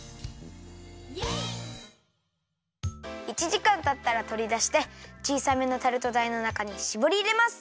１じかんたったらとりだしてちいさめのタルトだいのなかにしぼりいれます。